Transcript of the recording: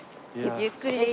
ゆっくり。